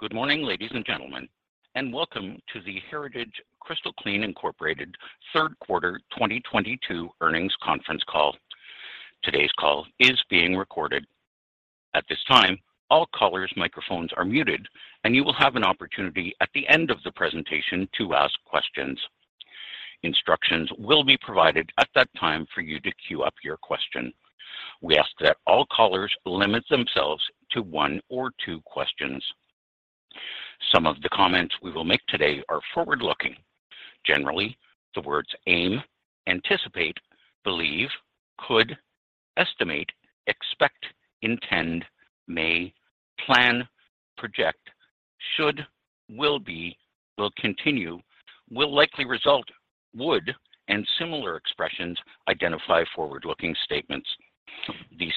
Good morning, ladies and gentlemen, and welcome to the Heritage-Crystal Clean, Inc. third quarter 2022 earnings conference call. Today's call is being recorded. At this time, all callers' microphones are muted, and you will have an opportunity at the end of the presentation to ask questions. Instructions will be provided at that time for you to queue up your question. We ask that all callers limit themselves to one or two questions. Some of the comments we will make today are forward-looking. Generally, the words aim, anticipate, believe, could, estimate, expect, intend, may, plan, project, should, will be, will continue, will likely result, would, and similar expressions identify forward-looking statements. These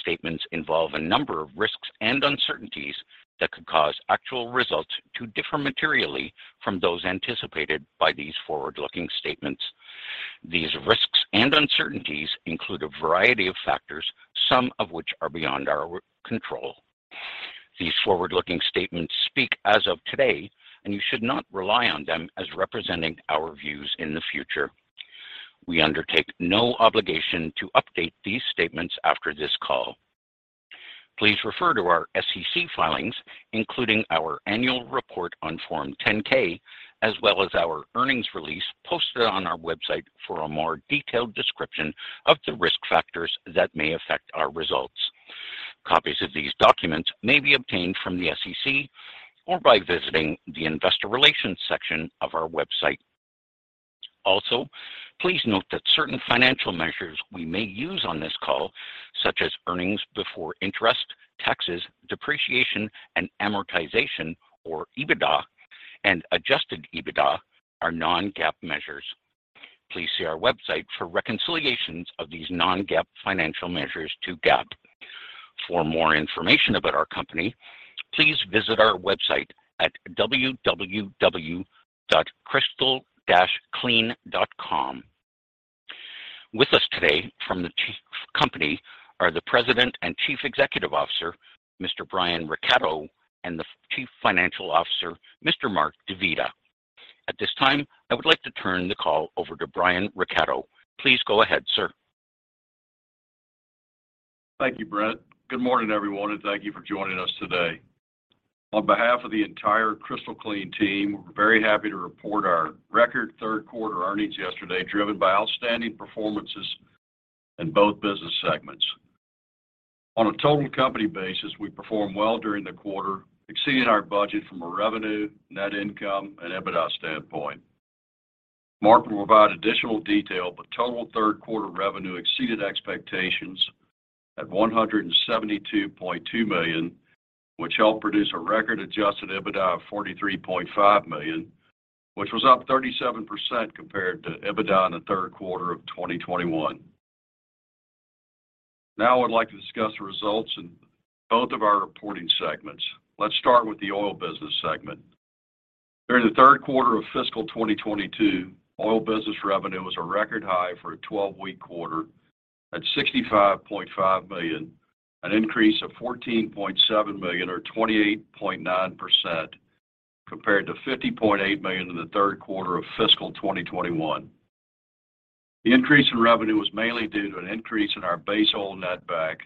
statements involve a number of risks and uncertainties that could cause actual results to differ materially from those anticipated by these forward-looking statements. These risks and uncertainties include a variety of factors, some of which are beyond our control. These forward-looking statements speak as of today, and you should not rely on them as representing our views in the future. We undertake no obligation to update these statements after this call. Please refer to our SEC filings, including our annual report on Form 10-K, as well as our earnings release posted on our website for a more detailed description of the risk factors that may affect our results. Copies of these documents may be obtained from the SEC or by visiting the investor relations section of our website. Also, please note that certain financial measures we may use on this call, such as earnings before interest, taxes, depreciation, and amortization, or EBITDA and adjusted EBITDA, are non-GAAP measures. Please see our website for reconciliations of these non-GAAP financial measures to GAAP. For more information about our company, please visit our website at www.crystal-clean.com. With us today from the company are the President and Chief Executive Officer, Mr. Brian Recatto, and the Chief Financial Officer, Mr. Mark DeVita. At this time, I would like to turn the call over to Brian Recatto. Please go ahead, sir. Thank you, Brent. Good morning, everyone, and thank you for joining us today. On behalf of the entire Crystal Clean team, we're very happy to report our record third quarter earnings yesterday, driven by outstanding performances in both business segments. On a total company basis, we performed well during the quarter, exceeding our budget from a revenue, net income, and EBITDA standpoint. Mark will provide additional detail, but total third quarter revenue exceeded expectations at $172.2 million, which helped produce a record adjusted EBITDA of $43.5 million, which was up 37% compared to EBITDA in the third quarter of 2021. Now I would like to discuss the results in both of our reporting segments. Let's start with the oil business segment. During the third quarter of fiscal 2022, oil business revenue was a record high for a twelve-week quarter at $65.5 million, an increase of $14.7 million or 28.9% compared to $50.8 million in the third quarter of fiscal 2021. The increase in revenue was mainly due to an increase in our base oil netback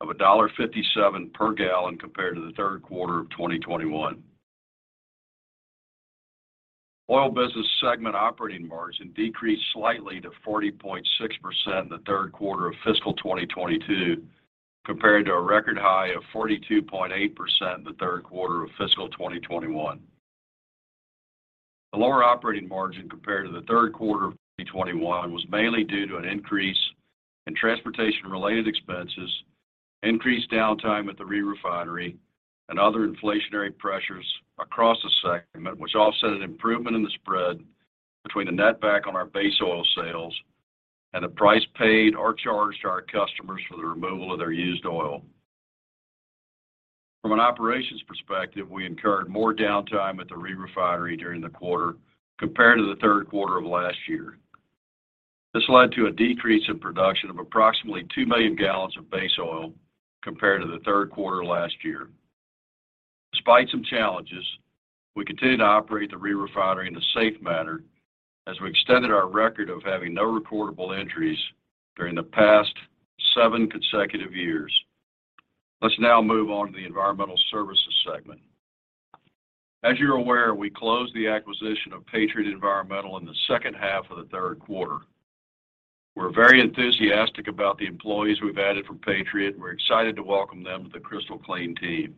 of $1.57 per gallon compared to the third quarter of 2021. Oil business segment operating margin decreased slightly to 40.6% in the third quarter of fiscal 2022, compared to a record high of 42.8% in the third quarter of fiscal 2021. The lower operating margin compared to the third quarter of 2021 was mainly due to an increase in transportation-related expenses, increased downtime at the re-refinery, and other inflationary pressures across the segment, which offset an improvement in the spread between the netback on our base oil sales and the price paid or charged to our customers for the removal of their used oil. From an operations perspective, we incurred more downtime at the re-refinery during the quarter compared to the third quarter of last year. This led to a decrease in production of approximately 2 million gallons of base oil compared to the third quarter last year. Despite some challenges, we continued to operate the re-refinery in a safe manner as we extended our record of having no reportable injuries during the past seven consecutive years. Let's now move on to the environmental services segment. As you're aware, we closed the acquisition of Patriot Environmental in the second half of the third quarter. We're very enthusiastic about the employees we've added from Patriot. We're excited to welcome them to the Crystal Clean team.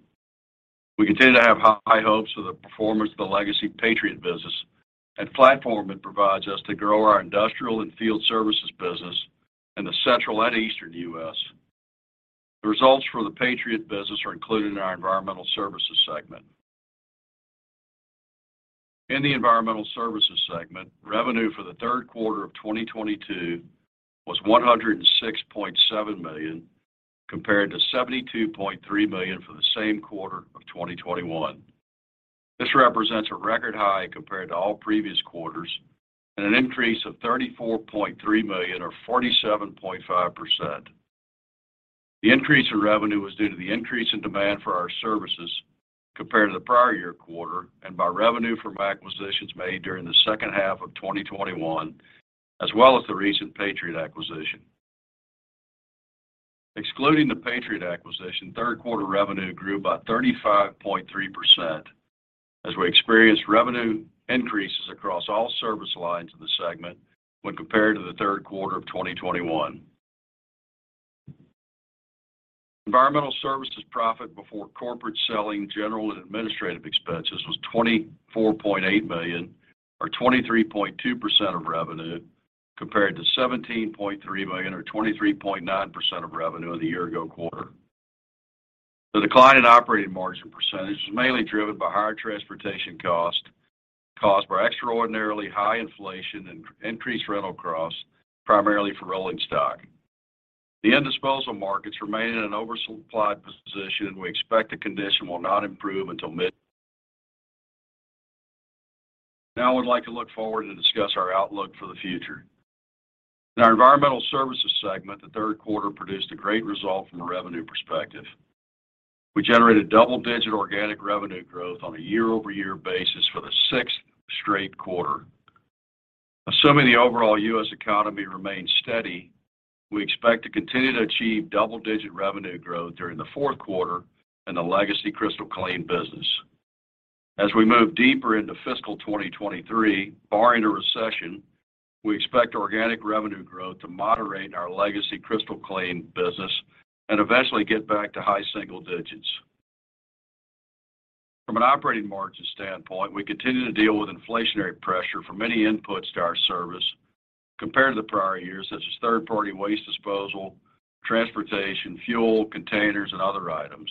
We continue to have high hopes for the performance of the legacy Patriot business and platform it provides us to grow our industrial and field services business in the Central and Eastern U.S. The results for the Patriot business are included in our environmental services segment. In the environmental services segment, revenue for the third quarter of 2022 was $106.7 million, compared to $72.3 million for the same quarter of 2021. This represents a record high compared to all previous quarters and an increase of $34.3 million or 47.5%. The increase in revenue was due to the increase in demand for our services compared to the prior-year quarter and by revenue from acquisitions made during the second half of 2021, as well as the recent Patriot acquisition. Excluding the Patriot acquisition, third quarter revenue grew by 35.3% as we experienced revenue increases across all service lines of the segment when compared to the third quarter of 2021. Environmental services profit before corporate selling, general, and administrative expenses was $24.8 million or 23.2% of revenue compared to $17.3 million or 23.9% of revenue in the year-ago quarter. The decline in operating margin percentage was mainly driven by higher transportation costs caused by extraordinarily high inflation and increased rental costs, primarily for rolling stock. The end disposal markets remain in an oversupplied position. Now I would like to look forward and discuss our outlook for the future. In our environmental services segment, the third quarter produced a great result from a revenue perspective. We generated double-digit organic revenue growth on a year-over-year basis for the sixth straight quarter. Assuming the overall U.S. economy remains steady, we expect to continue to achieve double-digit revenue growth during the fourth quarter in the legacy Crystal Clean business. As we move deeper into fiscal 2023, barring a recession, we expect organic revenue growth to moderate in our legacy Crystal Clean business and eventually get back to high single digits. From an operating margin standpoint, we continue to deal with inflationary pressure from many inputs to our service compared to the prior years, such as third-party waste disposal, transportation, fuel, containers, and other items.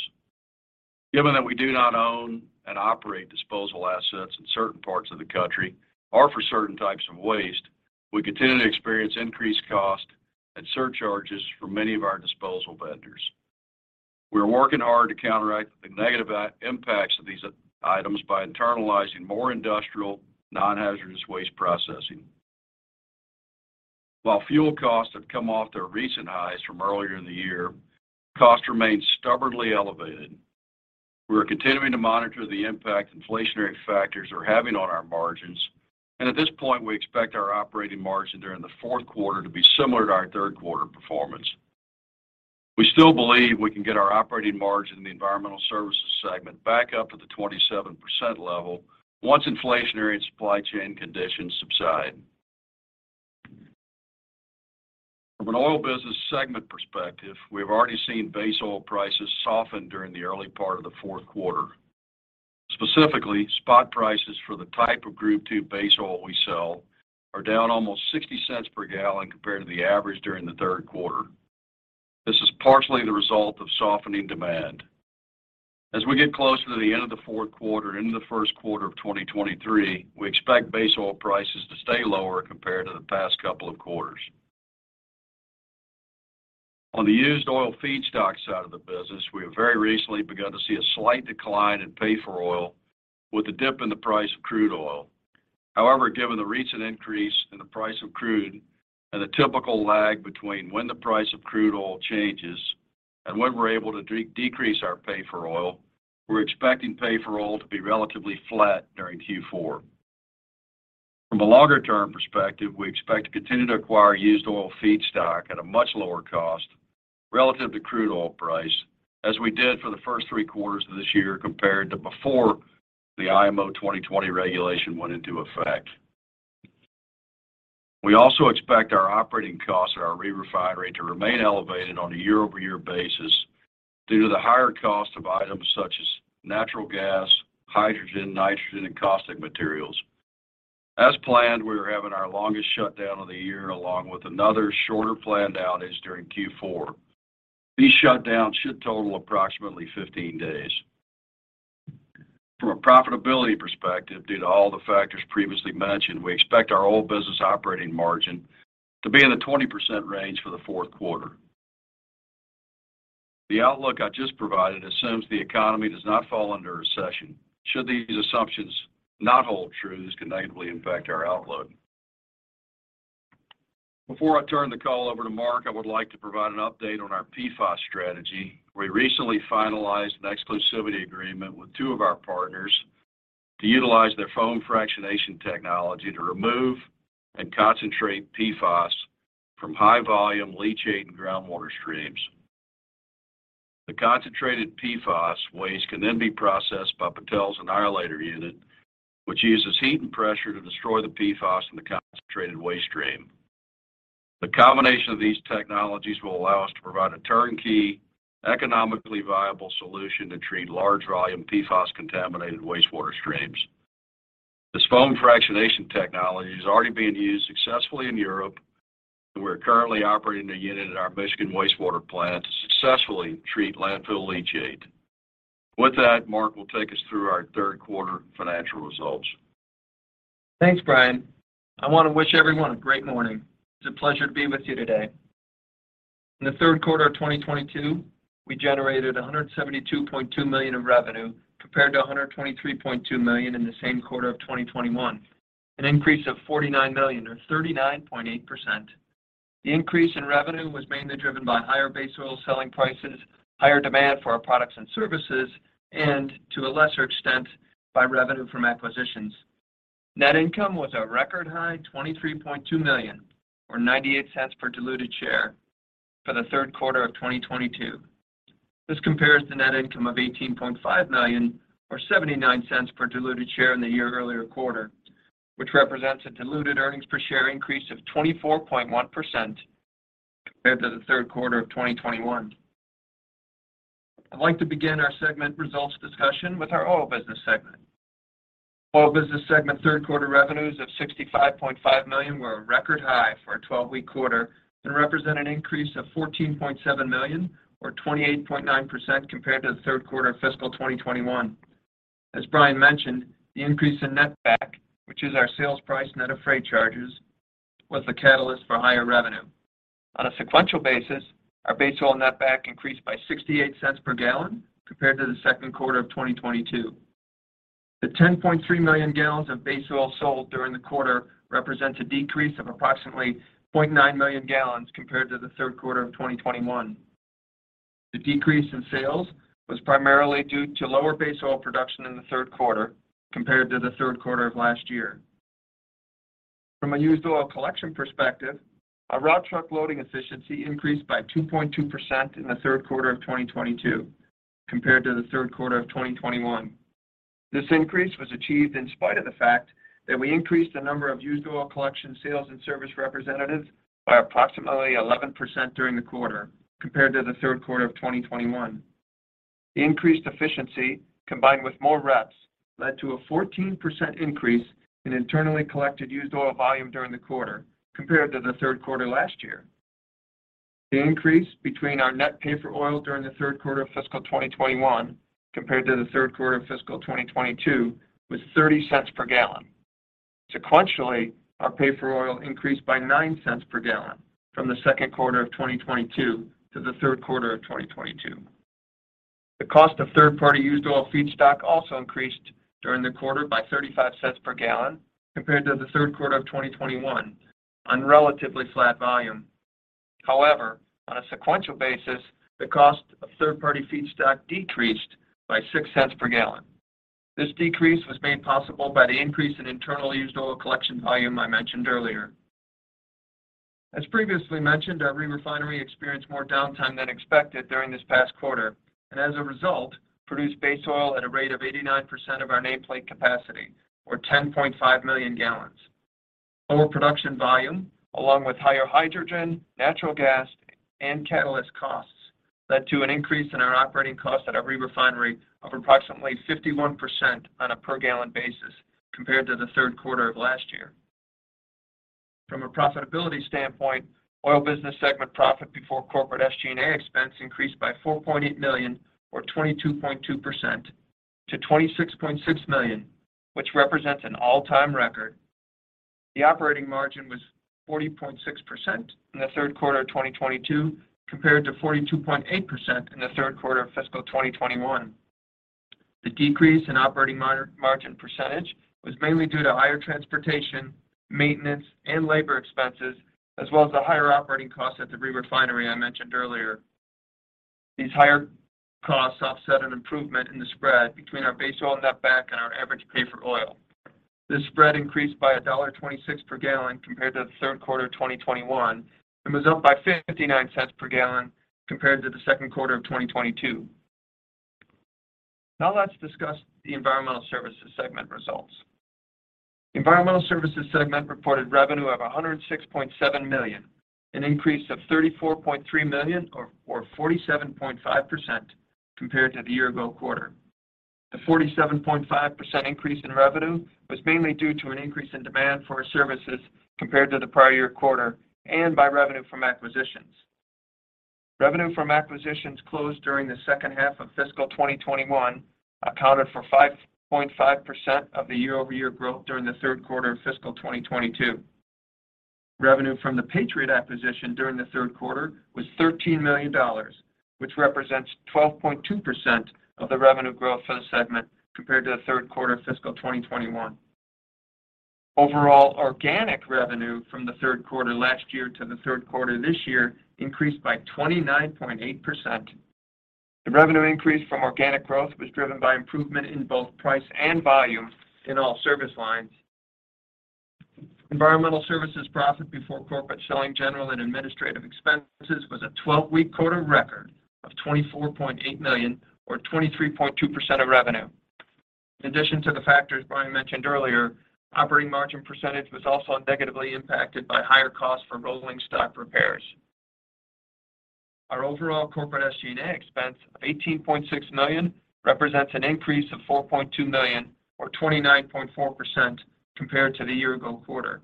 Given that we do not own and operate disposal assets in certain parts of the country or for certain types of waste, we continue to experience increased cost and surcharges from many of our disposal vendors. We are working hard to counteract the negative impacts of these items by internalizing more industrial, non-hazardous waste processing. While fuel costs have come off their recent highs from earlier in the year, costs remain stubbornly elevated. We are continuing to monitor the impact inflationary factors are having on our margins, and at this point, we expect our operating margin during the fourth quarter to be similar to our third quarter performance. We still believe we can get our operating margin in the environmental services segment back up to the 27% level once inflationary and supply chain conditions subside. From an oil business segment perspective, we have already seen base oil prices soften during the early part of the fourth quarter. Specifically, spot prices for the type of Group II base oil we sell are down almost $0.60 per gallon compared to the average during the third quarter. This is partially the result of softening demand. As we get closer to the end of the fourth quarter into the first quarter of 2023, we expect base oil prices to stay lower compared to the past couple of quarters. On the used oil feedstock side of the business, we have very recently begun to see a slight decline in pay for oil with the dip in the price of crude oil. However, given the recent increase in the price of crude and the typical lag between when the price of crude oil changes and when we're able to decrease our pay for oil, we're expecting pay for oil to be relatively flat during Q4. From a longer-term perspective, we expect to continue to acquire used oil feedstock at a much lower cost relative to crude oil price as we did for the first three quarters of this year compared to before the IMO 2020 regulation went into effect. We also expect our operating costs at our re-refinery to remain elevated on a year-over-year basis due to the higher cost of items such as natural gas, hydrogen, nitrogen, and caustic materials. As planned, we are having our longest shutdown of the year along with another shorter planned outage during Q4. These shutdowns should total approximately 15 days. From a profitability perspective, due to all the factors previously mentioned, we expect our oil business operating margin to be in the 20% range for the fourth quarter. The outlook I just provided assumes the economy does not fall under a recession. Should these assumptions not hold true, this could negatively impact our outlook. Before I turn the call over to Mark, I would like to provide an update on our PFAS strategy. We recently finalized an exclusivity agreement with two of our partners to utilize their foam fractionation technology to remove and concentrate PFAS from high volume leachate and groundwater streams. The concentrated PFAS waste can then be processed by Battelle's PFAS Annihilator unit, which uses heat and pressure to destroy the PFAS in the concentrated waste stream. The combination of these technologies will allow us to provide a turnkey, economically viable solution to treat large volume PFAS contaminated wastewater streams. This foam fractionation technology is already being used successfully in Europe, and we are currently operating a unit at our Michigan wastewater plant to successfully treat landfill leachate. With that, Mark will take us through our third quarter financial results. Thanks, Brian. I wanna wish everyone a great morning. It's a pleasure to be with you today. In the third quarter of 2022, we generated $172.2 million of revenue compared to $123.2 million in the same quarter of 2021, an increase of $49 million or 39.8%. The increase in revenue was mainly driven by higher base oil selling prices, higher demand for our products and services, and to a lesser extent, by revenue from acquisitions. Net income was a record high $23.2 million or $0.98 per diluted share for the third quarter of 2022. This compares to net income of $18.5 million or $0.79 per diluted share in the year earlier quarter, which represents a diluted earnings per share increase of 24.1% compared to the third quarter of 2021. I'd like to begin our segment results discussion with our oil business segment. Oil business segment third quarter revenues of $65.5 million were a record high for a 12-week quarter and represent an increase of $14.7 million or 28.9% compared to the third quarter of fiscal 2021. As Brian mentioned, the increase in netback, which is our sales price net of freight charges, was the catalyst for higher revenue. On a sequential basis, our base oil netback increased by $0.68 per gallon compared to the second quarter of 2022. The 10.3 million gallons of base oil sold during the quarter represents a decrease of approximately 0.9 million gallons compared to the third quarter of 2021. The decrease in sales was primarily due to lower base oil production in the third quarter compared to the third quarter of last year. From a used oil collection perspective, our route truck loading efficiency increased by 2.2% in the third quarter of 2022 compared to the third quarter of 2021. This increase was achieved in spite of the fact that we increased the number of used oil collection sales and service representatives by approximately 11% during the quarter compared to the third quarter of 2021. Increased efficiency combined with more reps led to a 14% increase in internally collected used oil volume during the quarter compared to the third quarter last year. The increase between our net pay for oil during the third quarter of fiscal 2021 compared to the third quarter of fiscal 2022 was $0.30 per gallon. Sequentially, our pay for oil increased by $0.09 per gallon from the second quarter of 2022 to the third quarter of 2022. The cost of third-party used oil feedstock also increased during the quarter by $0.35 per gallon compared to the third quarter of 2021 on relatively flat volume. However, on a sequential basis, the cost of third-party feedstock decreased by $0.06 per gallon. This decrease was made possible by the increase in internal used oil collection volume I mentioned earlier. As previously mentioned, our re-refinery experienced more downtime than expected during this past quarter, and as a result, produced base oil at a rate of 89% of our nameplate capacity or 10.5 million gallons. Lower production volume, along with higher hydrogen, natural gas, and catalyst costs led to an increase in our operating cost at our re-refinery of approximately 51% on a per gallon basis compared to the third quarter of last year. From a profitability standpoint, oil business segment profit before corporate SG&A expense increased by $4.8 million or 22.2% to $26.6 million, which represents an all-time record. The operating margin was 40.6% in the third quarter of 2022 compared to 42.8% in the third quarter of fiscal 2021. The decrease in operating margin percentage was mainly due to higher transportation, maintenance, and labor expenses, as well as the higher operating costs at the re-refinery I mentioned earlier. These higher costs offset an improvement in the spread between our base oil netback and our average pay for oil. This spread increased by $1.26 per gallon compared to the third quarter of 2021 and was up by $0.59 per gallon compared to the second quarter of 2022. Now let's discuss the environmental services segment results. Environmental services segment reported revenue of $106.7 million, an increase of $34.3 million or 47.5% compared to the year-ago quarter. The 47.5% increase in revenue was mainly due to an increase in demand for our services compared to the prior year quarter and by revenue from acquisitions. Revenue from acquisitions closed during the second half of fiscal 2021 accounted for 5.5% of the year-over-year growth during the third quarter of fiscal 2022. Revenue from the Patriot acquisition during the third quarter was $13 million, which represents 12.2% of the revenue growth for the segment compared to the third quarter of fiscal 2021. Overall, organic revenue from the third quarter last year to the third quarter this year increased by 29.8%. The revenue increase from organic growth was driven by improvement in both price and volume in all service lines. Environmental services profit before corporate selling, general, and administrative expenses was a 12-week quarter record of $24.8 million or 23.2% of revenue. In addition to the factors Brian mentioned earlier, operating margin percentage was also negatively impacted by higher costs for rolling stock repairs. Our overall corporate SG&A expense of $18.6 million represents an increase of $4.2 million or 29.4% compared to the year-ago quarter,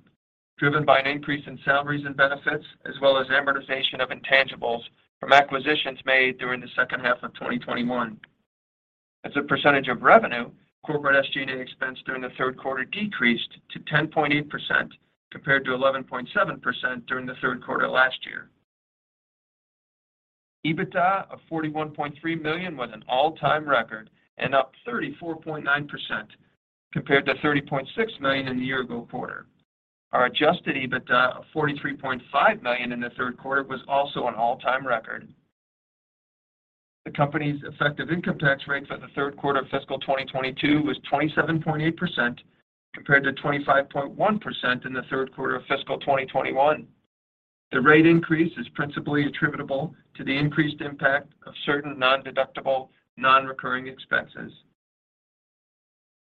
driven by an increase in salaries and benefits as well as amortization of intangibles from acquisitions made during the second half of 2021. As a percentage of revenue, corporate SG&A expense during the third quarter decreased to 10.8% compared to 11.7% during the third quarter last year. EBITDA of $41.3 million was an all-time record and up 34.9% compared to $30.6 million in the year ago quarter. Our adjusted EBITDA of $43.5 million in the third quarter was also an all-time record. The company's effective income tax rate for the third quarter of fiscal 2022 was 27.8% compared to 25.1% in the third quarter of fiscal 2021. The rate increase is principally attributable to the increased impact of certain non-deductible, non-recurring expenses.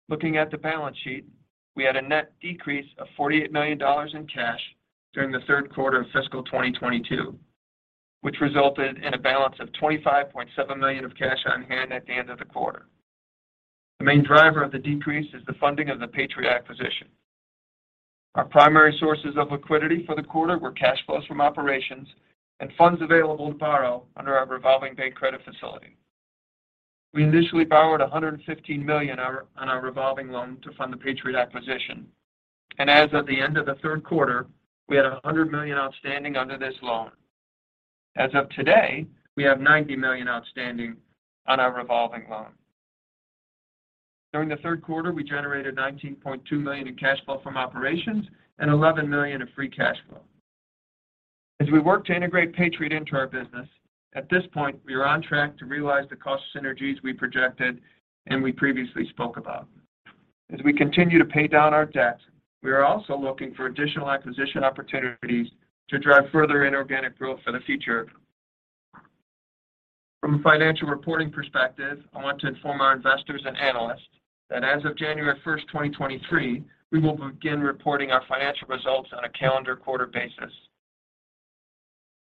Looking at the balance sheet, we had a net decrease of $48 million in cash during the third quarter of fiscal 2022, which resulted in a balance of $25.7 million of cash on hand at the end of the quarter. The main driver of the decrease is the funding of the Patriot acquisition. Our primary sources of liquidity for the quarter were cash flows from operations and funds available to borrow under our revolving bank credit facility. We initially borrowed $115 million on our revolving loan to fund the Patriot acquisition, and as of the end of the third quarter, we had $100 million outstanding under this loan. As of today, we have $90 million outstanding on our revolving loan. During the third quarter, we generated $19.2 million in cash flow from operations and $11 million of free cash flow. As we work to integrate Patriot into our business, at this point, we are on track to realize the cost synergies we projected and we previously spoke about. As we continue to pay down our debt, we are also looking for additional acquisition opportunities to drive further inorganic growth for the future. From a financial reporting perspective, I want to inform our investors and analysts that as of January 1, 2023, we will begin reporting our financial results on a calendar quarter basis.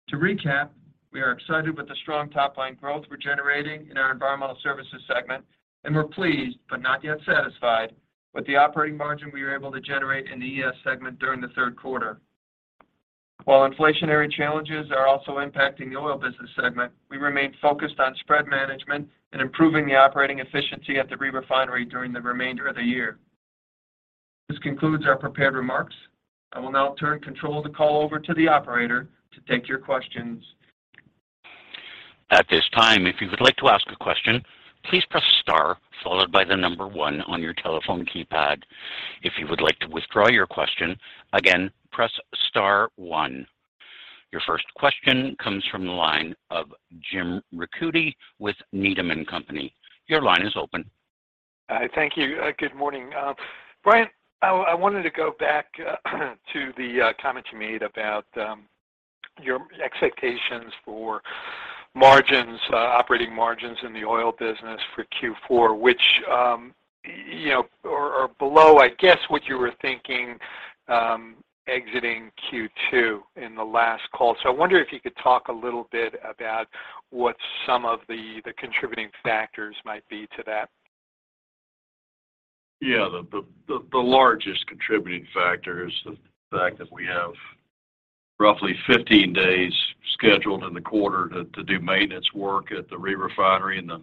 To recap, we are excited with the strong top line growth we're generating in our environmental services segment, and we're pleased but not yet satisfied with the operating margin we were able to generate in the ES segment during the third quarter. While inflationary challenges are also impacting the oil business segment, we remain focused on spread management and improving the operating efficiency at the re-refinery during the remainder of the year. This concludes our prepared remarks. I will now turn control of the call over to the operator to take your questions. At this time, if you would like to ask a question, please press star followed by the number one on your telephone keypad. If you would like to withdraw your question, again, press star one. Your first question comes from the line of Jim Ricchiuti with Needham & Company. Your line is open. Thank you. Good morning. Brian, I wanted to go back to the comment you made about your expectations for margins, operating margins in the oil business for Q4, which, you know, are below, I guess, what you were thinking exiting Q2 in the last call. I wonder if you could talk a little bit about what some of the contributing factors might be to that. Yeah. The largest contributing factor is the fact that we have roughly 15 days scheduled in the quarter to do maintenance work at the re-refinery, and the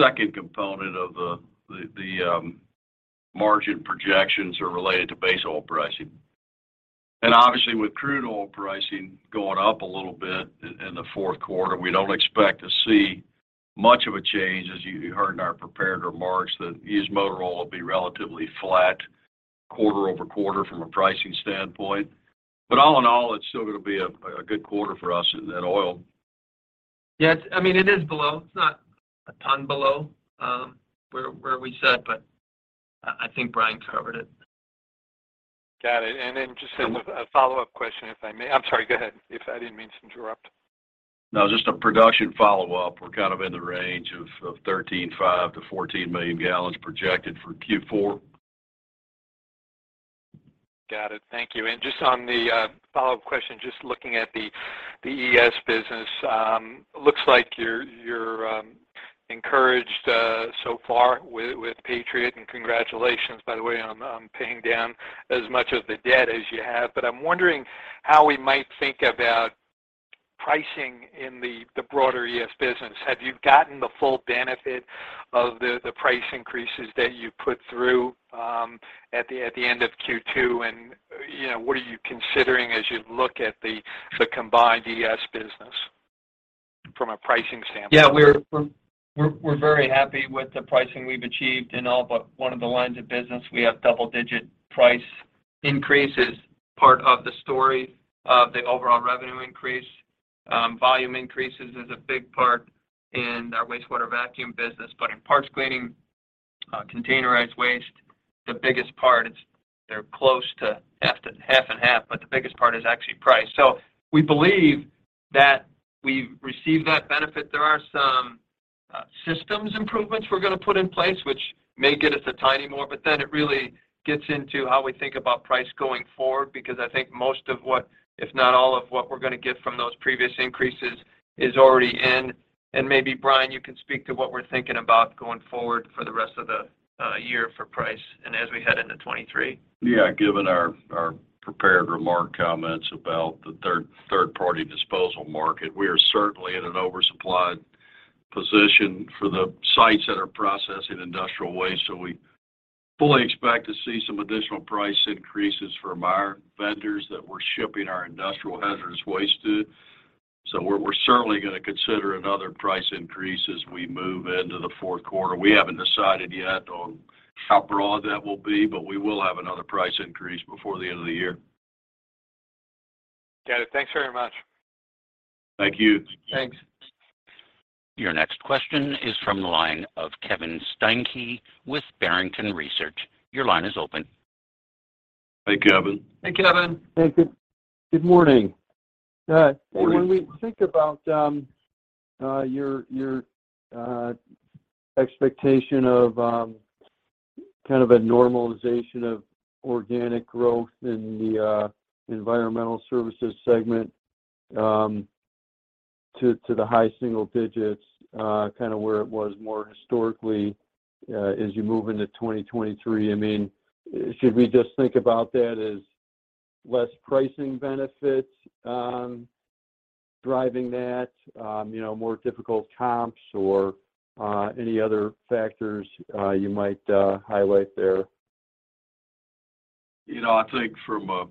second component of the margin projections are related to base oil pricing. Obviously, with crude oil pricing going up a little bit in the fourth quarter, we don't expect to see much of a change. As you heard in our prepared remarks that used motor oil will be relatively flat quarter-over-quarter from a pricing standpoint. All in all, it's still gonna be a good quarter for us in oil. Yeah, it's, I mean, it is below. It's not a ton below, where we said, but I think Brian covered it. Got it. Just a follow-up question, if I may. I'm sorry, go ahead. If I didn't mean to interrupt. No, just a production follow-up. We're kind of in the range of 13.5-14 million gallons projected for Q4. Got it. Thank you. Just on the follow-up question, just looking at the ES business, looks like you're encouraged so far with Patriot, and congratulations, by the way, on paying down as much of the debt as you have. I'm wondering how we might think about pricing in the broader ES business. Have you gotten the full benefit of the price increases that you put through at the end of Q2? You know, what are you considering as you look at the combined ES business from a pricing standpoint? Yeah, we're very happy with the pricing we've achieved. In all but one of the lines of business, we have double-digit price increases, part of the story of the overall revenue increase. Volume increases is a big part in our wastewater vacuum business. But in parts cleaning, containerized waste, the biggest part is they're close to half and half, but the biggest part is actually price. So we believe that we've received that benefit. There are some systems improvements we're gonna put in place which may get us a tiny more, but then it really gets into how we think about price going forward, because I think most of what, if not all of what we're gonna get from those previous increases is already in. Maybe, Brian, you can speak to what we're thinking about going forward for the rest of the year. A year for pricing and as we head into 2023. Yeah, given our prepared remark comments about the third-party disposal market, we are certainly in an oversupplied position for the sites that are processing industrial waste. We fully expect to see some additional price increases from our vendors that we're shipping our industrial hazardous waste to. We're certainly going to consider another price increase as we move into the fourth quarter. We haven't decided yet on how broad that will be, but we will have another price increase before the end of the year. Got it. Thanks very much. Thank you. Thanks. Your next question is from the line of Kevin Steinke with Barrington Research. Your line is open. Hey, Kevin. Hey, Kevin. Hey, good morning. Good morning. When we think about your expectation of kind of a normalization of organic growth in the environmental services segment to the high single digits, kind of where it was more historically, as you move into 2023. I mean, should we just think about that as less pricing benefits driving that, you know, more difficult comps or any other factors you might highlight there? You know, I think from a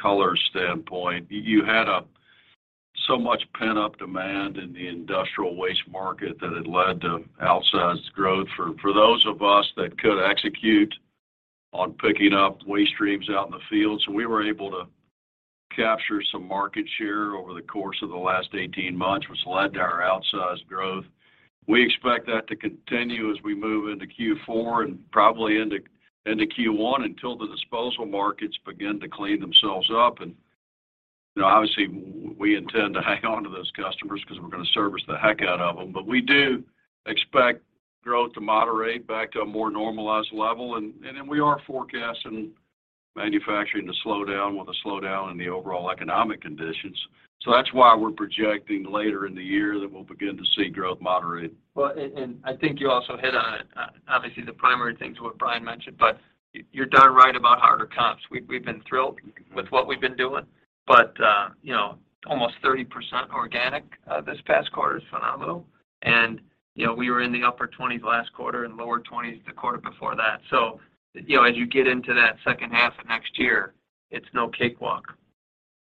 color standpoint, you had so much pent-up demand in the industrial waste market that it led to outsized growth for those of us that could execute on picking up waste streams out in the field. We were able to capture some market share over the course of the last 18 months, which led to our outsized growth. We expect that to continue as we move into Q4 and probably into Q1 until the disposal markets begin to clean themselves up. You know, obviously we intend to hang on to those customers because we're going to service the heck out of them. We do expect growth to moderate back to a more normalized level. We are forecasting manufacturing to slow down with a slowdown in the overall economic conditions. That's why we're projecting later in the year that we'll begin to see growth moderate. Well, I think you also hit on it. Obviously, the primary thing is what Brian mentioned, but you're darn right about harder comps. We've been thrilled with what we've been doing. You know, almost 30% organic this past quarter is phenomenal. You know, we were in the upper 20s last quarter and lower 20s the quarter before that. You know, as you get into that second half of next year, it's no cakewalk.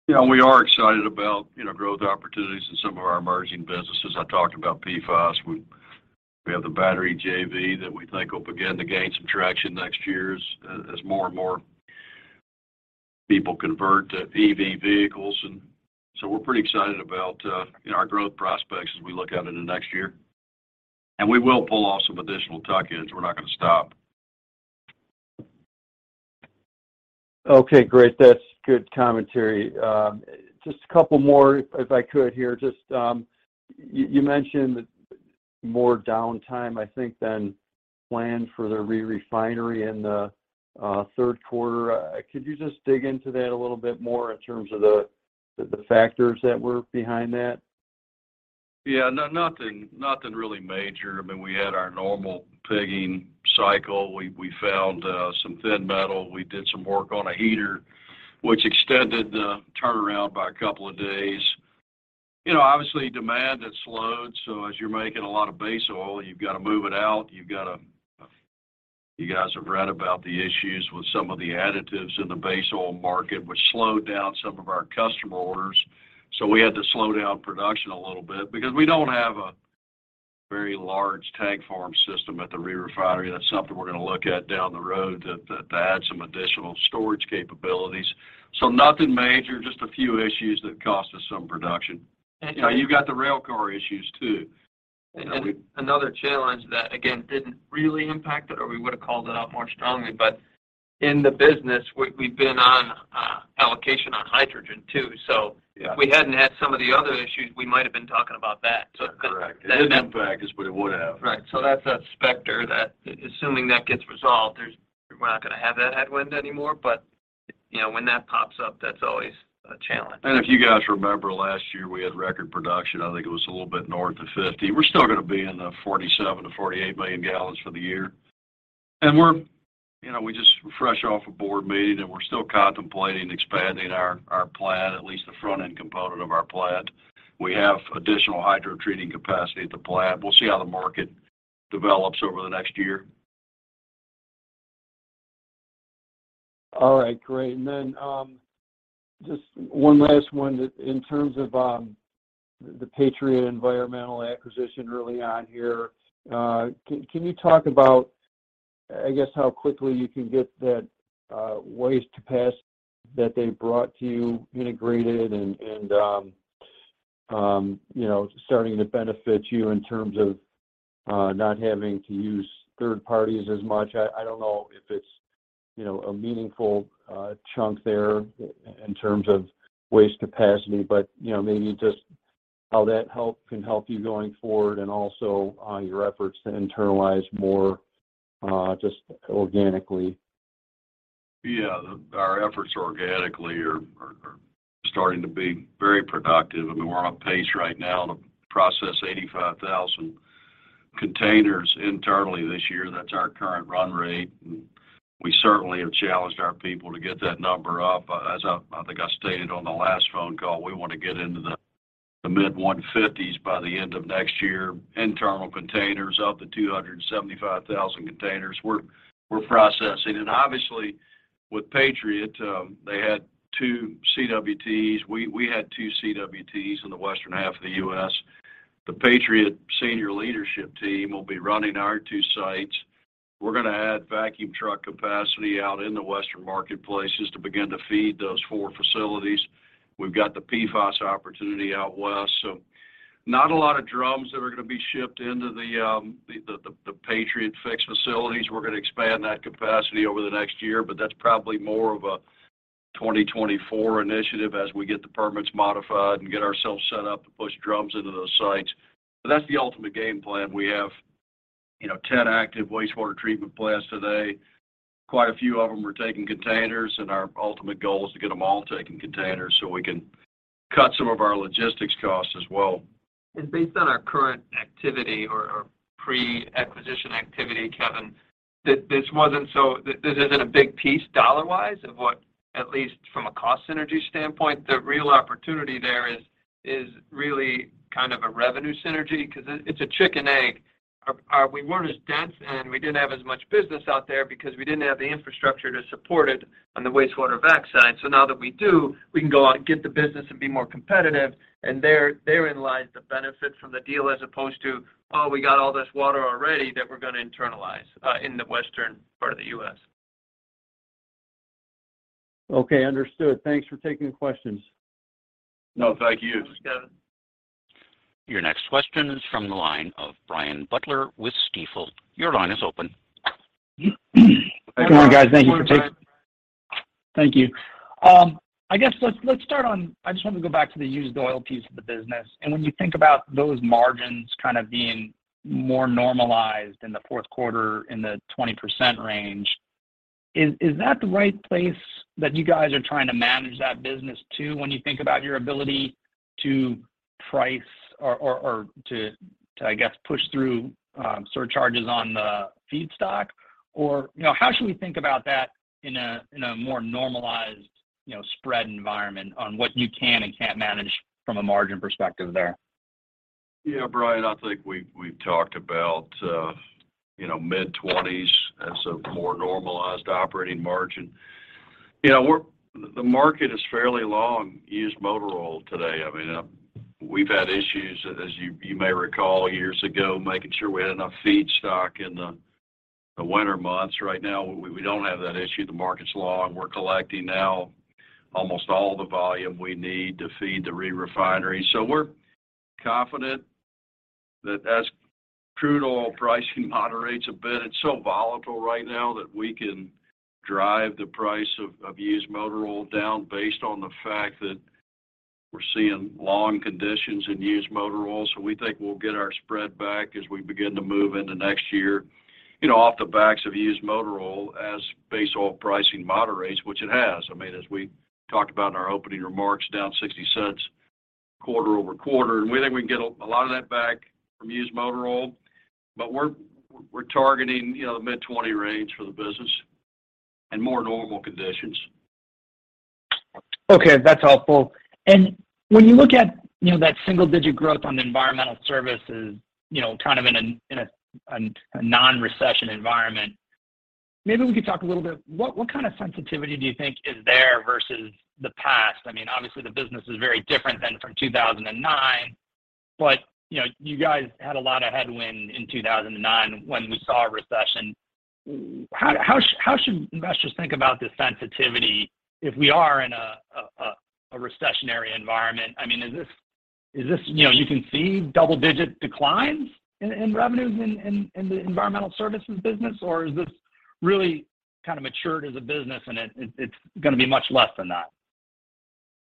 You know, we are excited about, you know, growth opportunities in some of our emerging businesses. I talked about PFAS. We have the battery JV that we think will begin to gain some traction next year as more and more people convert to EV vehicles. We're pretty excited about, you know, our growth prospects as we look out into next year. We will pull off some additional tuck-ins. We're not going to stop. Okay, great. That's good commentary. Just a couple more if I could here. Just you mentioned more downtime, I think, than planned for the re-refinery in the third quarter. Could you just dig into that a little bit more in terms of the factors that were behind that? Yeah. No, nothing really major. I mean, we had our normal pigging cycle. We found some thin metal. We did some work on a heater which extended the turnaround by a couple of days. You know, obviously demand has slowed. So as you're making a lot of base oil, you've got to move it out. You've got to. You guys have read about the issues with some of the additives in the base oil market, which slowed down some of our customer orders. So we had to slow down production a little bit because we don't have a very large tank farm system at the re-refinery. That's something we're going to look at down the road to add some additional storage capabilities. So nothing major, just a few issues that cost us some production. You know, you've got the rail car issues too. You know. Another challenge that again, didn't really impact it or we would have called it out more strongly. In the business we've been on allocation on hydrogen too. Yeah If we hadn't had some of the other issues, we might have been talking about that. Correct. It didn't impact us, but it would have. Right. That's a specter that assuming that gets resolved, there's, we're not going to have that headwind anymore. You know, when that pops up, that's always a challenge. If you guys remember last year, we had record production. I think it was a little bit north of 50. We're still going to be in the 47 million-48 million gallons for the year. We're, you know, just fresh off a board meeting, and we're still contemplating expanding our plant, at least the front-end component of our plant. We have additional hydrotreating capacity at the plant. We'll see how the market develops over the next year. All right, great. Just one last one. In terms of the Patriot Environmental acquisition early on here, can you talk about, I guess, how quickly you can get that waste capacity that they brought to you integrated and you know, starting to benefit you in terms of not having to use third parties as much? I don't know if it's you know, a meaningful chunk there in terms of waste capacity, but you know, maybe just how that can help you going forward and also your efforts to internalize more just organically. Our efforts organically are starting to be very productive. I mean, we're on pace right now to process 85,000 containers internally this year. That's our current run rate. We certainly have challenged our people to get that number up. As I think I stated on the last phone call, we want to get into the mid-150s by the end of next year, internal containers up to 275,000 containers we're processing. Obviously, with Patriot, they had two CWTs. We had two CWTs in the western half of the U.S. The Patriot senior leadership team will be running our two sites. We're gonna add vacuum truck capacity out in the western marketplaces to begin to feed those four facilities. We've got the PFAS opportunity out west. Not a lot of drums that are gonna be shipped into the Patriot fixed facilities. We're gonna expand that capacity over the next year, but that's probably more of a 2024 initiative as we get the permits modified and get ourselves set up to push drums into those sites. That's the ultimate game plan. We have 10 active wastewater treatment plants today. Quite a few of them are taking containers, and our ultimate goal is to get them all taking containers so we can cut some of our logistics costs as well. Based on our current activity or pre-acquisition activity, Kevin, this isn't a big piece dollar-wise of what, at least from a cost synergy standpoint, the real opportunity there is really kind of a revenue synergy 'cause it's a chicken egg. We weren't as dense, and we didn't have as much business out there because we didn't have the infrastructure to support it on the wastewater VAC side. Now that we do, we can go out and get the business and be more competitive, and therein lies the benefit from the deal as opposed to, "Oh, we got all this water already that we're gonna internalize in the western part of the U.S. Okay, understood. Thanks for taking the questions. No, thank you. Thanks, Kevin. Your next question is from the line of Brian Butler with Stifel. Your line is open. Hey, Brian. Good morning, guys. Thank you. Thank you. I guess let's start. I just want to go back to the used oil piece of the business. When you think about those margins kind of being more normalized in the fourth quarter in the 20% range, is that the right place that you guys are trying to manage that business to when you think about your ability to price or to, I guess, push through surcharges on the feedstock? You know, how should we think about that in a more normalized, you know, spread environment on what you can and can't manage from a margin perspective there? Yeah. Brian, I think we've talked about, you know, mid-20s% as a more normalized operating margin. You know, the market is fairly long used motor oil today. I mean, we've had issues, as you may recall years ago, making sure we had enough feedstock in the winter months. Right now, we don't have that issue. The market's long. We're collecting now almost all the volume we need to feed the re-refinery. We're confident that as crude oil pricing moderates a bit, it's so volatile right now that we can drive the price of used motor oil down based on the fact that we're seeing long conditions in used motor oil. We think we'll get our spread back as we begin to move into next year, you know, off the backs of used motor oil as base oil pricing moderates, which it has. I mean, as we talked about in our opening remarks, down $0.60 quarter-over-quarter. We think we can get a lot of that back from used motor oil. We're targeting, you know, the mid-20 range for the business and more normal conditions. Okay, that's helpful. When you look at, you know, that single-digit growth on environmental services, you know, kind of in a non-recession environment, maybe we could talk a little bit, what kind of sensitivity do you think is there versus the past? I mean, obviously, the business is very different than from 2009. You know, you guys had a lot of headwind in 2009 when we saw a recession. How should investors think about the sensitivity if we are in a recessionary environment? I mean, is this. You know, you can see double-digit declines in the revenues in the environmental services business, or is this really kind of matured as a business and it's gonna be much less than that?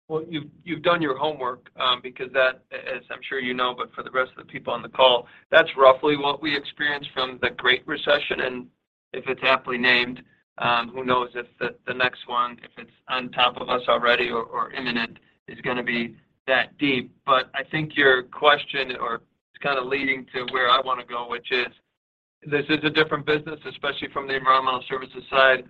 Well, you've done your homework, because that, as I'm sure you know, but for the rest of the people on the call, that's roughly what we experienced from the Great Recession. If it's aptly named, who knows if the next one, if it's on top of us already or imminent, is gonna be that deep. I think your question or it's kinda leading to where I wanna go, which is, this is a different business, especially from the environmental services side.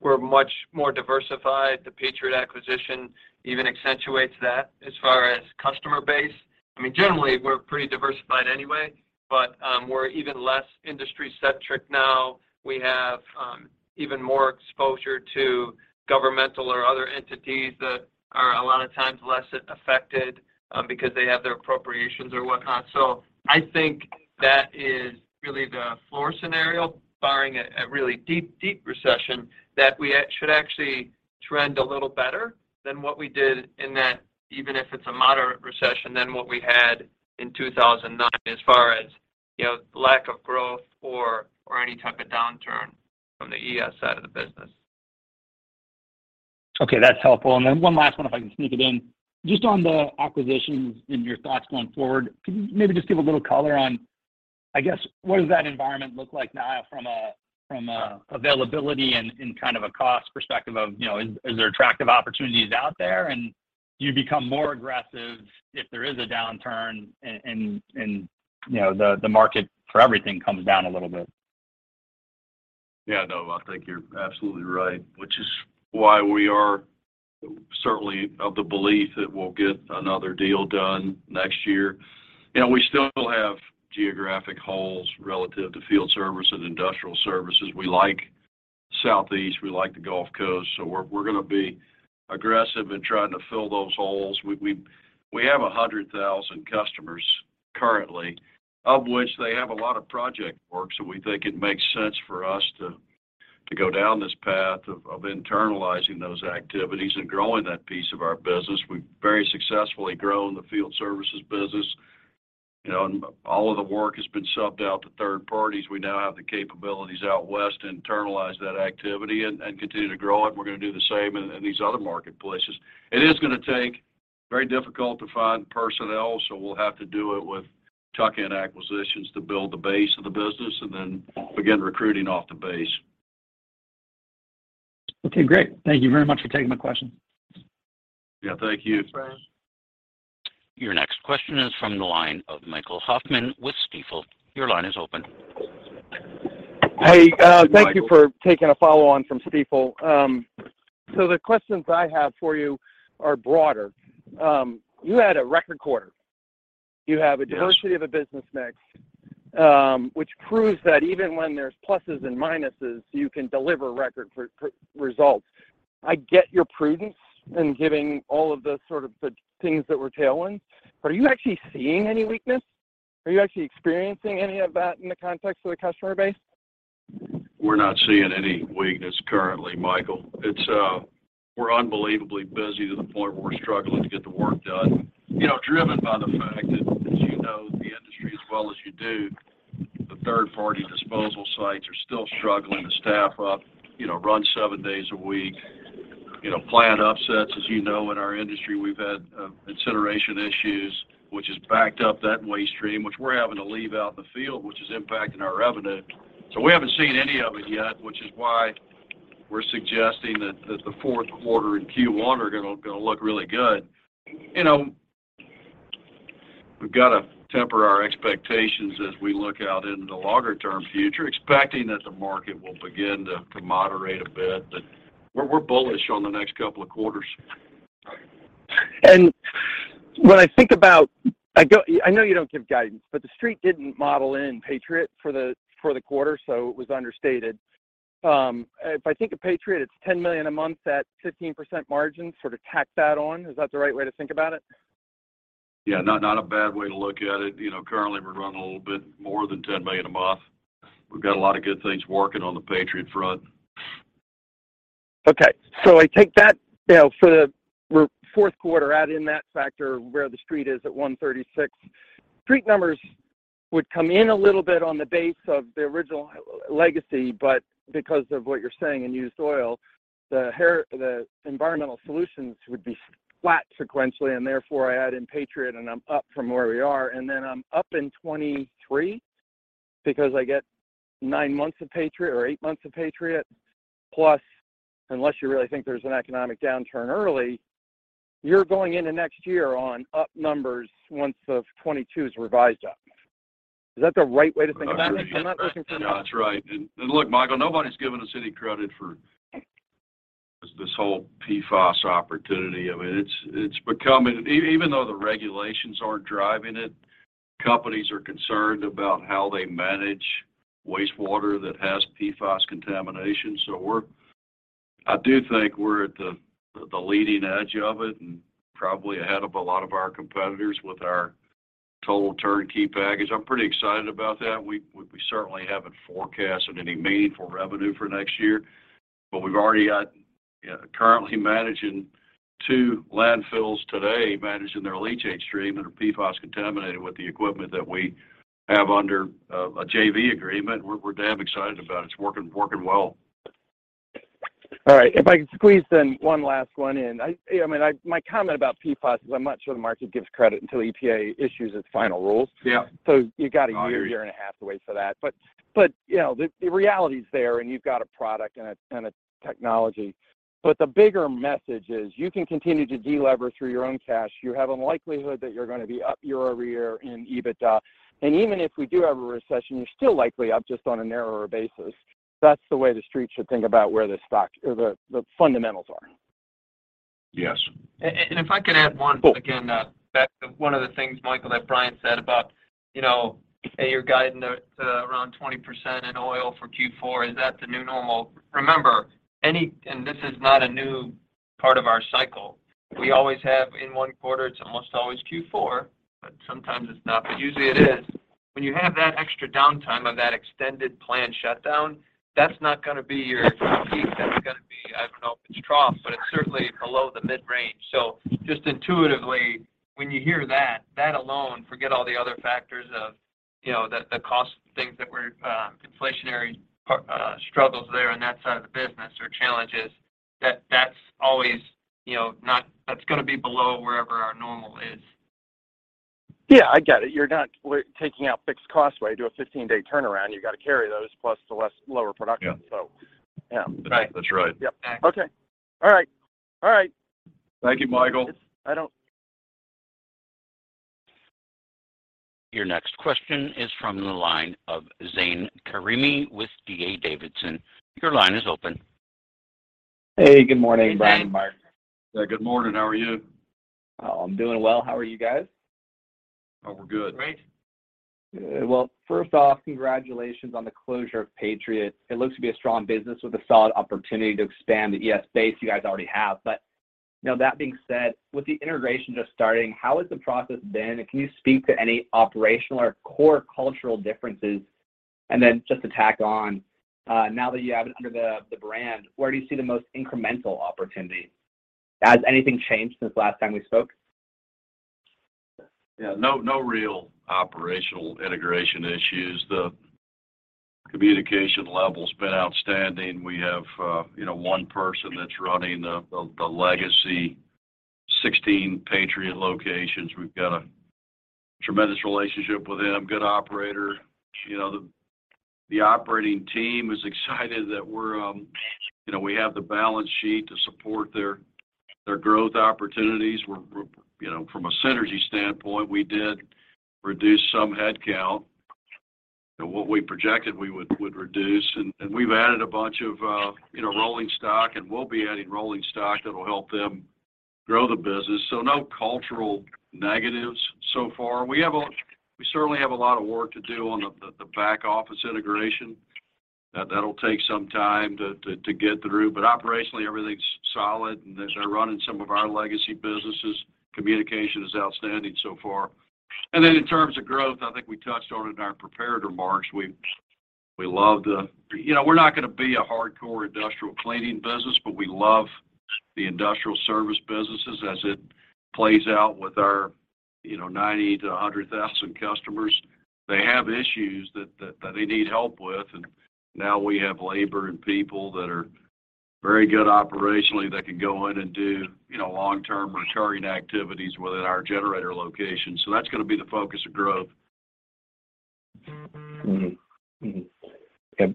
We're much more diversified. The Patriot acquisition even accentuates that as far as customer base. I mean, generally, we're pretty diversified anyway, but, we're even less industry-centric now. We have, even more exposure to governmental or other entities that are a lot of times less affected, because they have their appropriations or whatnot. I think that is really the floor scenario, barring a really deep recession, that we should actually trend a little better than what we did in that even if it's a moderate recession than what we had in 2009 as far as, you know, lack of growth or any type of downturn from the ES side of the business. Okay, that's helpful. One last one if I can sneak it in. Just on the acquisitions and your thoughts going forward, could you maybe just give a little color on, I guess, what does that environment look like now from a availability and kind of a cost perspective of, you know, is there attractive opportunities out there? Do you become more aggressive if there is a downturn and, you know, the market for everything comes down a little bit? Yeah, no, I think you're absolutely right, which is why we are certainly of the belief that we'll get another deal done next year. You know, we still have geographic holes relative to field service and industrial services. We like Southeast, we like the Gulf Coast, so we're gonna be aggressive in trying to fill those holes. We have 100,000 customers currently, of which they have a lot of project work, so we think it makes sense for us to go down this path of internalizing those activities and growing that piece of our business. We've very successfully grown the field services business. You know, all of the work has been subbed out to third parties. We now have the capabilities out west to internalize that activity and continue to grow it, and we're gonna do the same in these other marketplaces. It is very difficult to find personnel, so we'll have to do it with tuck-in acquisitions to build the base of the business and then begin recruiting off the base. Okay, great. Thank you very much for taking my question. Yeah, thank you. Thanks, Brian. Your next question is from the line of Michael Hoffman with Stifel. Your line is open. Hey, thank you for taking a follow-up from Stifel. So the questions I have for you are broader. You had a record quarter. Yes Diversity of a business mix, which proves that even when there's pluses and minuses, you can deliver record results. I get your prudence in giving all of the sort of things that we're tailwinds. Are you actually seeing any weakness? Are you actually experiencing any of that in the context of the customer base? We're not seeing any weakness currently, Michael. We're unbelievably busy to the point where we're struggling to get the work done. You know, driven by the fact that, as you know the industry as well as you do, the third-party disposal sites are still struggling to staff up, you know, run seven days a week. You know, plant upsets, as you know, in our industry, we've had incineration issues, which has backed up that waste stream, which we're having to leave out in the field, which is impacting our revenue. We haven't seen any of it yet, which is why we're suggesting that the fourth quarter and Q1 are gonna look really good. You know, we've got to temper our expectations as we look out into the longer term future, expecting that the market will begin to moderate a bit, but we're bullish on the next couple of quarters. I know you don't give guidance, but the street didn't model in Patriot for the quarter, so it was understated. If I think of Patriot, it's $10 million a month at 15% margin, sort of tack that on. Is that the right way to think about it? Yeah. Not a bad way to look at it. You know, currently we're running a little bit more than $10 million a month. We've got a lot of good things working on the Patriot front. Okay. I take that, you know, for the fourth quarter, add in that factor where the street is at $1.36. Street numbers would come in a little bit based on the original legacy, but because of what you're saying in used oil, the environmental solutions would be flat sequentially, and therefore I add in Patriot and I'm up from where we are. I'm up in 2023 because I get nine months of Patriot or eight months of Patriot. Plus, unless you really think there's an economic downturn early, you're going into next year on up numbers once the 2022 is revised up. Is that the right way to think about that? Yeah, that's right. Look, Michael, nobody's given us any credit for this whole PFAS opportunity. I mean, it's becoming even though the regulations aren't driving it, companies are concerned about how they manage wastewater that has PFAS contamination. I do think we're at the leading edge of it and probably ahead of a lot of our competitors with our total turnkey package. I'm pretty excited about that. We certainly haven't forecasted any meaningful revenue for next year, but we've already got currently managing two landfills today, managing their leachate stream that are PFAS contaminated with the equipment that we have under a JV agreement. We're damn excited about it. It's working well. All right. If I could squeeze in one last one. You know, I mean, my comment about PFAS is I'm not sure the market gives credit until EPA issues its final rules. Yeah. You got a year. Oh, yeah. A year and a half to wait for that. You know, the reality is there and you've got a product and a technology. The bigger message is you can continue to delever through your own cash. You have a likelihood that you're gonna be up year-over-year in EBITDA. Even if we do have a recession, you're still likely up just on a narrower basis. That's the way the street should think about where the stock or the fundamentals are. Yes. If I could add one. Cool Again, back to one of the things, Michael, that Brian said about, you know, hey, you're guiding the around 20% in oil for Q4, is that the new normal? Remember, and this is not a new part of our cycle. We always have in one quarter, it's almost always Q4, but sometimes it's not, but usually it is. When you have that extra downtime of that extended plant shutdown, that's not gonna be your peak, that's gonna be, I don't know if it's trough, but it's certainly below the mid-range. Just intuitively, when you hear that alone, forget all the other factors of. You know, the cost of things that were inflationary struggles there on that side of the business or challenges, that's always, you know, not. That's gonna be below wherever our normal is. Yeah, I get it. You're not taking out fixed cost where you do a 15-day turnaround. You gotta carry those plus the less lower production. Yeah. Yeah. That's right. Yep. Okay. All right. All right. Thank you, Michael. I don't. Your next question is from the line of Zane Karimi with D.A. Davidson. Your line is open. Hey, good morning, Brian and Mark. Yeah, good morning. How are you? Oh, I'm doing well. How are you guys? Oh, we're good. Great. Well, first off, congratulations on the closure of Patriot. It looks to be a strong business with a solid opportunity to expand the ES base you guys already have. You know, that being said, with the integration just starting, how has the process been, and can you speak to any operational or core cultural differences? Then just to tack on, now that you have it under the brand, where do you see the most incremental opportunity? Has anything changed since last time we spoke? Yeah, no real operational integration issues. The communication level's been outstanding. We have, you know, one person that's running the legacy 16 Patriot locations. We've got a tremendous relationship with him, good operator. You know, the operating team is excited that we're, you know, we have the balance sheet to support their growth opportunities. We're, you know, from a synergy standpoint, we did reduce some headcount, what we projected we would reduce. We've added a bunch of, you know, rolling stock, and we'll be adding rolling stock that will help them grow the business. No cultural negatives so far. We certainly have a lot of work to do on the back office integration. That'll take some time to get through. Operationally, everything's solid, and as they're running some of our legacy businesses, communication is outstanding so far. Then in terms of growth, I think we touched on it in our prepared remarks. We love the. You know, we're not gonna be a hardcore industrial cleaning business, but we love the industrial service businesses as it plays out with our, you know, 90,000-100,000 customers. They have issues that they need help with, and now we have labor and people that are very good operationally that can go in and do, you know, long-term returning activities within our generator location. That's gonna be the focus of growth.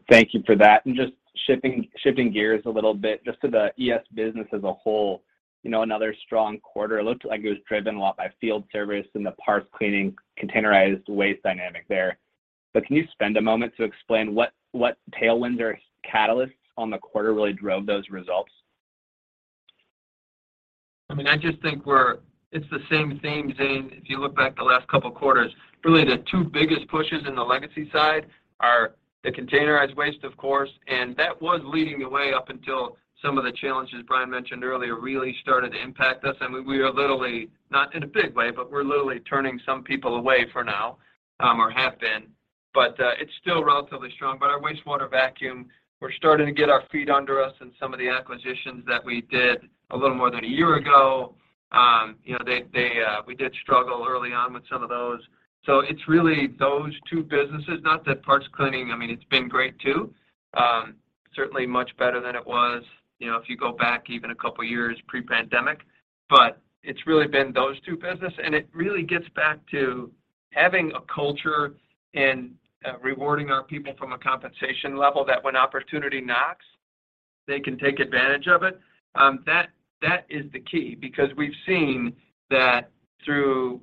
Thank you for that. Just shifting gears a little bit just to the ES business as a whole. You know, another strong quarter. It looked like it was driven a lot by field service and the parts cleaning, containerized waste dynamic there. Can you spend a moment to explain what tailwinds or catalysts on the quarter really drove those results? I mean, I just think it's the same theme, Zane, if you look back the last couple quarters. Really, the two biggest pushes in the legacy side are the containerized waste, of course, and that was leading the way up until some of the challenges Brian mentioned earlier really started to impact us. We are literally, not in a big way, but we're literally turning some people away for now, or have been. It's still relatively strong. Our wastewater vacuum, we're starting to get our feet under us in some of the acquisitions that we did a little more than a year ago. You know, we did struggle early on with some of those. It's really those two businesses. Not that parts cleaning. I mean, it's been great too. Certainly much better than it was, you know, if you go back even a couple years pre-pandemic. It's really been those two business. It really gets back to having a culture and rewarding our people from a compensation level that when opportunity knocks, they can take advantage of it. That is the key because we've seen that through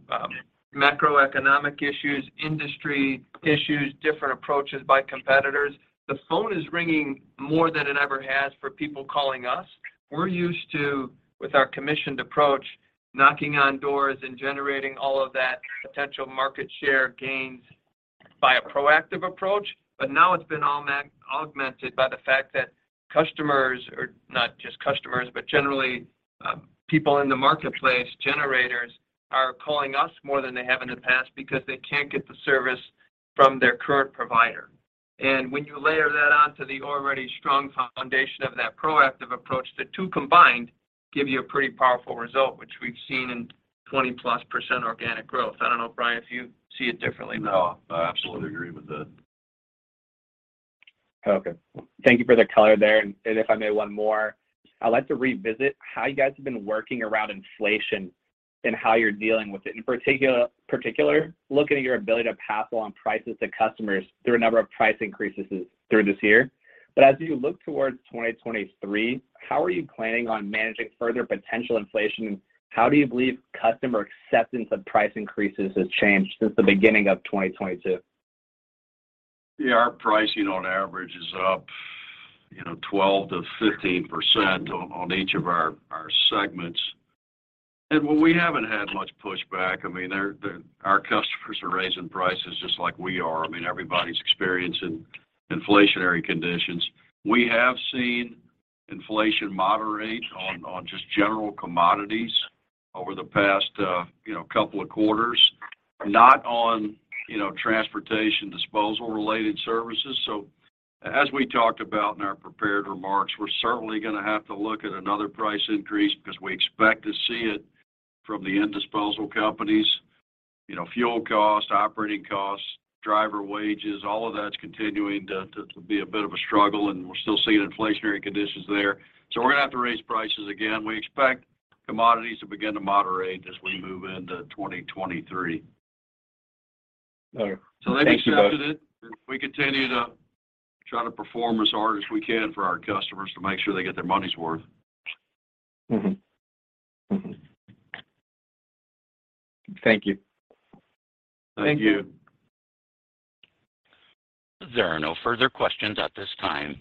macroeconomic issues, industry issues, different approaches by competitors. The phone is ringing more than it ever has for people calling us. We're used to, with our commissioned approach, knocking on doors and generating all of that potential market share gains by a proactive approach. Now it's been augmented by the fact that customers, or not just customers, but generally, people in the marketplace, generators, are calling us more than they have in the past because they can't get the service from their current provider. When you layer that onto the already strong foundation of that proactive approach, the two combined give you a pretty powerful result, which we've seen in 20%+ organic growth. I don't know, Brian, if you see it differently than that. No, I absolutely agree with that. Okay. Thank you for the color there. If I may, one more. I'd like to revisit how you guys have been working around inflation and how you're dealing with it. In particular, looking at your ability to pass along prices to customers through a number of price increases through this year. As you look towards 2023, how are you planning on managing further potential inflation, and how do you believe customer acceptance of price increases has changed since the beginning of 2022? Yeah, our pricing on average is up, you know, 12%-15% on each of our segments. We haven't had much pushback. I mean, our customers are raising prices just like we are. I mean, everybody's experiencing inflationary conditions. We have seen inflation moderate on just general commodities over the past, you know, couple of quarters, not on, you know, transportation, disposal related services. As we talked about in our prepared remarks, we're certainly gonna have to look at another price increase because we expect to see it from the end disposal companies. You know, fuel costs, operating costs, driver wages, all of that's continuing to be a bit of a struggle, and we're still seeing inflationary conditions there. We're gonna have to raise prices again. We expect commodities to begin to moderate as we move into 2023. All right. Thank you both. They've accepted it. We continue to try to perform as hard as we can for our customers to make sure they get their money's worth. Thank you. Thank you. Thank you. There are no further questions at this time.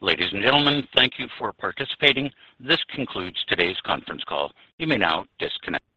Ladies and gentlemen, thank you for participating. This concludes today's conference call. You may now disconnect.